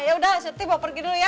ya udah surti bawa pergi dulu ya